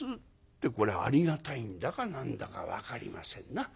ってこれありがたいんだか何だか分かりませんな。